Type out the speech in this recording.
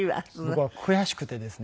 僕は悔しくてですね。